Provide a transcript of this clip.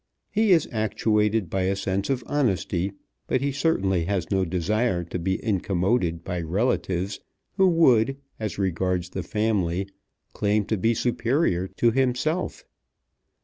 He is actuated by a sense of honesty, but he certainly has no desire to be incommoded by relatives who would, as regards the family, claim to be superior to himself.